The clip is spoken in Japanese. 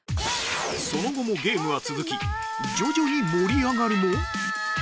その後もゲームは続き徐々に盛り上がるも